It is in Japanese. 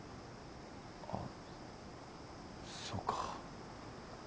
あっそうか。